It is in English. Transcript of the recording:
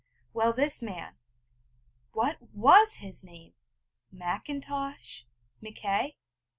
Well, this man what was his name? Macintosh? Mackay?